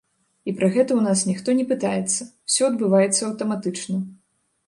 І пра гэта ў нас ніхто не пытаецца, усё адбываецца аўтаматычна.